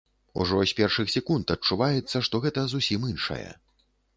Ужо з першых секунд адчуваецца, што гэта зусім іншае.